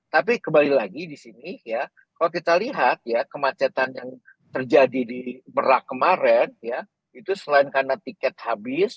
tapi kembali lagi di sini ya kalau kita lihat ya kemacetan yang terjadi di merak kemarin ya itu selain karena tiket habis